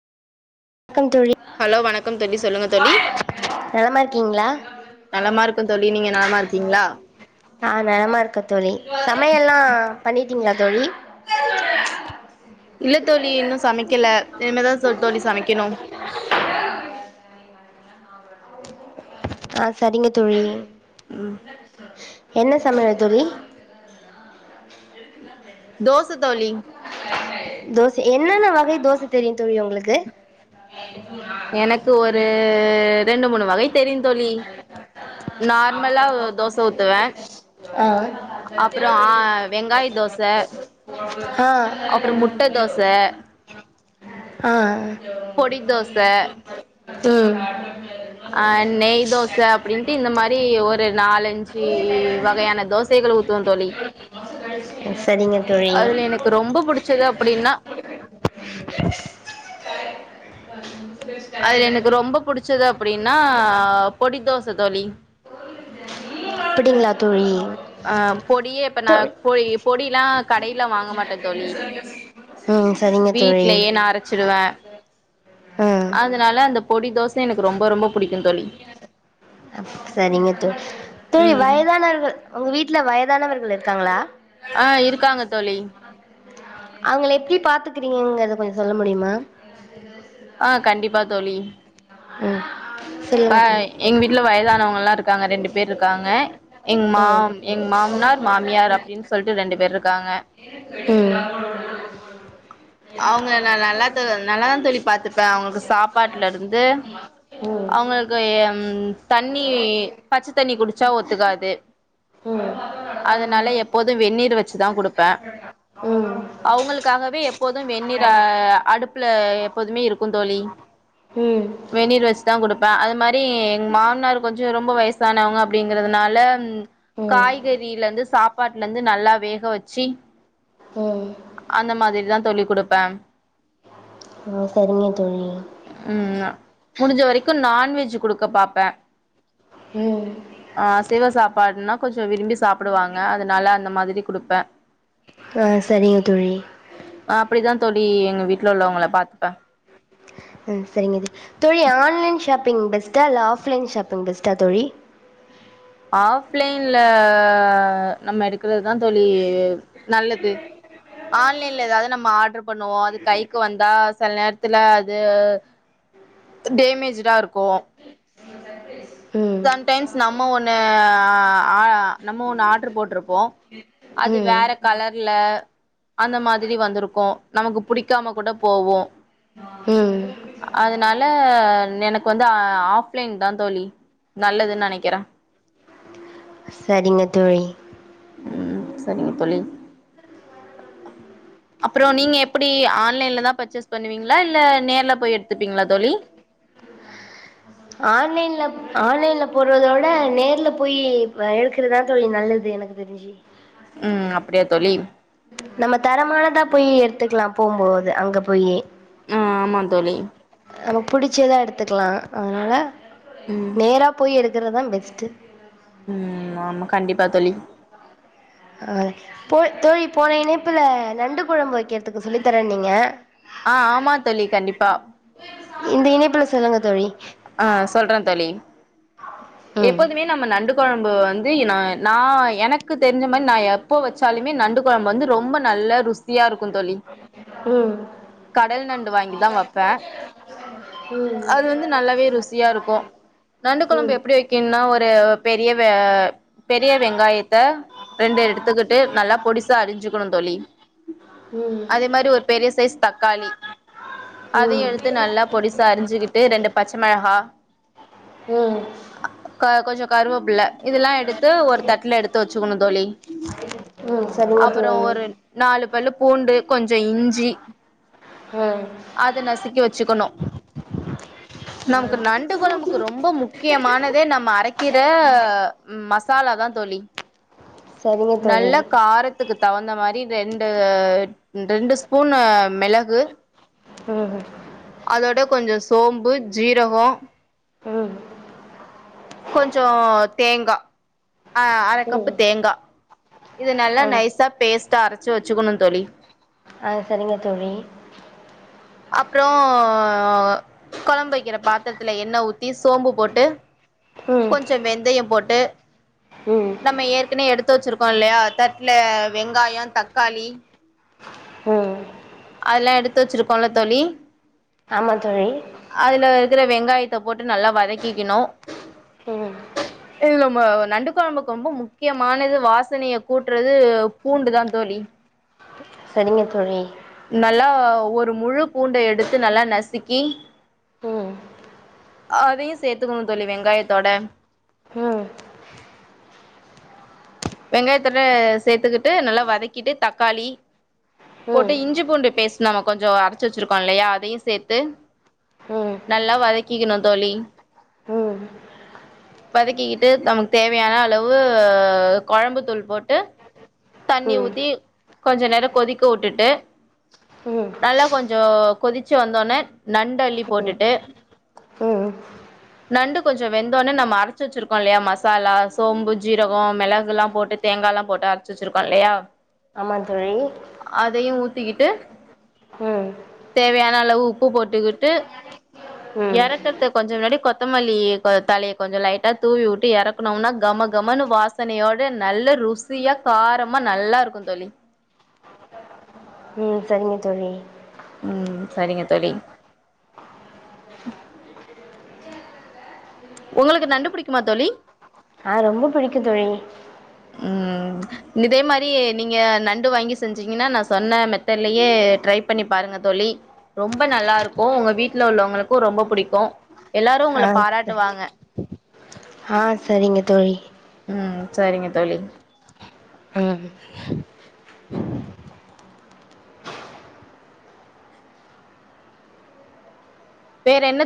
வணக்கம் தோழி ஹலோ வணக்கம் தோழி சொல்லுங்க தோழி நலமா இருக்கீங்களா நலமா இருக்க தோழி நீங்க நலமா இருக்கீங்ளா அ நலமா இருக்க தோழி சமையல்லா பண்ணிட்டீங்ளா தோழி இல்ல தோழி இன்னு சமைக்கல இனிமேதா தோ தோழி சமைக்கணு அ சரிங்க தோழி என்ன சமயல் தோழி தோச தோழி தோச என்னன்ன வகை தோச தெரியு தோழி உங்களுக்கு எனக்கு ஒரு ரெண்டு மூணு வகை தெரியு தோழி நார்மலா தோச ஊத்துவ [unintelligible] தோச அப்புறோ முட்ட தோச அ அ பொடி தோச ம் அ நெய் தோச அப்டின்ட்டு இந்த மாரி ஒரு நா நாலஞ்சு வகையான தோசைகல் ஊத்துவ தோழி ம் சரிங்க தோழி அதுல எனக்கு ரொம்ப புடிச்சது அப்டின்னா [unintelligible] அதுல எனக்கு ரொம்ப புடிச்சது அப்டின்னா பொடி தோச தோழி அப்டிங்ளா தோழி அ பொடியே இப்ப நா தோழி பொ பொடிலா கடைல வாங்க மாட்ட தோழி ம் சரிங்க தோழி வீட்லயே ந அரச்சிடுவ ம் அதனால அந்த பொடி தோச எனக்கு ரொம்ப ரொம்ப புடிக்கு தோழி சரிங்க தோழி தோழி ம் வயதானவர்கள் உங்க வீட்ல வயதானவர்கள் இருக்காங்களா அ இருக்காங்க தோழி அவங்கள எப்டி பாத்துக்கறீங்கங்கறத கொஞ்சோ சொல்ல முடியுமா அ கண்டிப்பா தோழி ம் வ சொல்லுங்க தோழி எங்க வீட்ல வயதானவங் இருக்காங்க ரெண்டு பேர் இருக்காங்க எங் மா எங் மாமனார் மாமியார் அப்டின் சொல்ட்டு ரெண்டு பேர் இருக்காங் க ம் அவங்க நா நல்லா து நல்லாதா தோழி பாத்துப்பே அவங்களுக்கு சாப்பாட்டுலருந்து ம் அவங்களுக்கு ம் தண்ணி பச்ச தண்ணி குடிச்சா ஒத்துக்காது ம் ம் ம் அதுனால எப்போது வெந்நீர் வச்சுதா குடுப்ப அவங்களுக்காகவே எ ப்போதும் வெநீர் அடுப்புல எப்போதுமே இருக்கு தோழி ம் ம் வெநீர் வ டுப்ப அது மாரி எங்க மாமனார் கொஞ்சோ ரொம்ப வயசானவங்க அப்படிங்கறதுனால ம் காய்கறில இருந்து சாப்பாட்டுல இருந்து நல்லா வேக வச்சு ம் அந்த மாதிரிதா தோழி குடுப்பே ஒ சரிங்க தோழி ம் முடிஞ்ச வரைக்கு நான் வெஜ் குடுக்க பாப்பே ம் ஆ அசைவ சாப் பாட்னா கொஞ்ச விரும்பி சாப்புடுவாங்க அதனால அந்த மாதிரி குடுப்பே ஆ சரிங்க தோழி அப்டிதா தோழி எங்க வீட்ல உள்ளவங்கள பாத்துப்பே ம் சரிங்க இது தோழி ஆன்லைன் ஷாப் பிங் பெஸ்ட்டா இல்ல ஆஃப்லைன் ஷாப்பிங் பெஸ்டா தோழி ஆஃப்லைன்ல நம்ம எடுக்குறதுதா தோழி நல்லது ஆன்லைன்ல எதாவது நம்ம ஆடர் பண்ணுவோ அது கைக்கு வந்தா செல் நேரத்துல அது டேமேஜ்டா இருக்கு ம் சம்டைம்ஸ் நம்ம ஒண்ணு ஆ நம்ம ஒண்ணு ஆடர் போட்டுருப்போ அது ம் வேற கலர்ல அந்த மாதிரி வந்துருக்கு நமக்கு புடிக்காம குட போவு ம் அதனால எனக்கு வந்து அ ஆஃப்லைன் தா தோழி நல்லதுன் நெனைக்கிற சரிங்க தோழி ம் சரிங்க தோழி அப்றோ நீங்க எப்டி ஆன்லைன்லதா பர்ச்சேஸ் பண்ணுவீங்களா இல்ல நேர்ல போய் எடுத்துப்பீங்ளா தோழி ஆன்லைன்ல ஆன்லைன்ல போறத விட நேர்ல போய் ப எடுக்கறதா தோழி நல்லது எனக்கு தெரிஞ்சி ம் அப்டியா தோழி நம்ம தரமானதா போய் எடுத்துக்லா போகுபோது அங்க போயி அ ஆமா தோழி நமக் புடிச்சதா எடுத்துக்லா அதனால ம் நேரா போய் எதுக் கிறதா பெஸ்ட்டு ம் ஆமா கண்டிப்பா தோழி அ போ தோழி போன இணைப்புல நண்டு கொழம்பு வக்கிறதுக்கு சொல்லி தரனீங்க அ ஆமா தோழி கண்டிப்பா இந்த இணைப்புல சொல்லுங்க தோழி அ சொல்ற தோழி ம் எப்போதுமே நம்ம நண்டு கொழம்பு வந்து எ நா நா எனக்கு தெரிஞ்ச மாரி நா எப்போ வச்சாலுமே நண்டு கொழம்பு வந்து ரொம்ப நல் நல்ல ருசியா இருக்கு தோழி ம் கடல் நண்டு வாங்கி தா வப்பே ம் அது வந்து நல்லாவே ருசியாருக்கு நண்டு கொழம்பு ம் எப்டி வை என்னா ஒரு பெரிய வே பெரிய வெங்காயத்த ரெண்டு எடுத்துக்குட்டு நல்லா பொடிசா அறிஞ்சுக்குனு தோழி ம் அதே மாரி ஒரு பெரிய சைஸ் தக்காளி அதையு ம் எடுத்து நல்லா பொடிசா அரிஞ்சி கிட்டு ரெண்டு பச்ச மெளகா ம் க கொஞ்ச கருவேப்பில்ல இதுல்லா எடுத்து ஒரு தட்ல எடுத்து வச்சுக்கனு தோழி ம் சரிங்க அப்றோ தோழி ஒரு நாலு பல்லு பூண்டு ச இஞ்சி ம் அத நசுக்கி வச்சுக்கனு நமக்கு நண்டு கொழம்புக்கு ரொம்ப முக் கியமானதே நம்ம அரைக்கிற மசாலா தா தோழி சரிங்க நல்ல தோழி காரத்துக்கு தவுந்த மாரி ரெண்டு ரெண்டு ஸ்பூனு மெளகு ம் ஹு அதோட கொஞ்ச சோம்பு ஜீரகோ ம் கொஞ்சோ தேங்கா அ அரக்கப்பு ம் தேங்கா இது நல்லா ஆ நைஸா பேஸ்டா அரச்சு வச்சுக்கணு தோழி அ சரிங்க தோழி அப்றோ கொழம்பு வக்கற பாத்திரத்துல எண்ணெ ஊத்தி சோம்பு போட்டு ம் கொஞ்ச வெந்தயம் போட்டு ம் நம்ம ஏற்கனவே எடுத்து வச்சிருக்கோ இல்லயா தட்டுல வெங்காயம் தக்காளி ம் அதெல்லா எடுத்து வச்சிருக்கோ இல்ல தோழி ஆமா தோழி அதுல வெங்காயத்த போட்டு நல்லா வதக்கிக்கணு ம் இது நம்ம நண்டு கொழம்புக்கு ரொம்ப முக்கியமானது வாசனைய கூட்றது பூண்டு தா தோழி சரிங்க தோழி நல்லா ஒரு முழு பூண்ட எடுத்து நல்லா நசுக்கி ம் அதையு சேத்துக்கணு தோழி வெங்காயத்தோட ம் வெங்காயத்தோட சேத்துக்கிட்டு நல்லா வதக்கிட்டு தக்காளி ம் போட்டு இஞ்சி பூண்டு பேஸ்ட் நம்ம கொஞ்சோ அரைச்சு வச்சிருக்கோ இல்லயா அதயு சேத்து ம் ம் நல்லா வதக்கிக்கணு தோழி ம் வதக்கிகிட்டு நமக்கு தேவயான அளவு கொழம்பு தூள் போட்டு தண்ணி ஊத்தி கொஞ்ச நேரம் கொதிக்க உட்டுட்டு ம் ம் நல்லா கொஞ்சோ கொதிச்சு வந்தோனே நண்ட அள்ளி போட்டுட்டு ம் நண்டு கொஞ்ச வெந்தோனே நம்ம அரச்சு வச்சிருக்கோ இல்லயா மசாலா சோம்பு ஜீரகம் மெளகுலாம் போட்டு தே தேங்கால்லா போட்டு அரச்சு வச்சுருக்கோ இல்லயா ஆமா தோழி ஊத்திக்கிட்டு ம் தேவயான அளவு உப்பு போட்டுகிட்டு ம் எறக்கறதுக்கு கொஞ்ச மின்னாடி கொத்தமல்லி அ தலைய கொஞ்ச லைட்டா தூவி விட்டு எறக்குனோம்னா கம கம கமன்னு வாசனையோட நல்ல ருசியா காரமா நல்லாருக்கு தோழி ம் சரிங்க தோழி ம் சரிங்க தோழி உங்களுக்கு நண்டு புடிக்குமா தோழி அ ரொம்ப புடிக்கு தோழி ம் இதே மாரி நீங்க நண்டு வாங்கி செஞ்சீங்கன்னா நா சொன்ன மெத்தட்லயே ட்ரை பண்ணி பாருங்க தோ ழி ரொம்ப நல்லா இருக்கு உங்க வீட்ல உள்ளவங்களுக்கு ரொம்ப புடிக்கு எல்லாரு உங்கள பாராட்டுவாங்க அ சரிங்க தோழி ம் சரிங்க தோழி ம் வேற என்ன